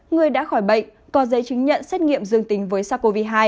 người đã khỏi bệnh có giấy chứng nhận xét nghiệm dương tính với sars cov hai